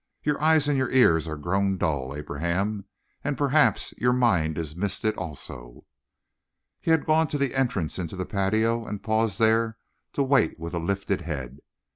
Your eyes and your ears are grown dull, Abraham, and perhaps your mind is misted also." He had gone to the entrance into the patio and paused there to wait with a lifted head.